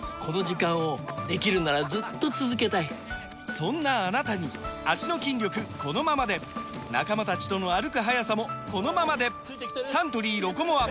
そんなあなたに脚の筋力このままで仲間たちとの歩く速さもこのままでサントリー「ロコモア」！